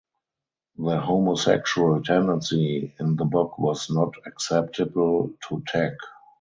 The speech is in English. The homosexual tendency in the book was not acceptable to Tak.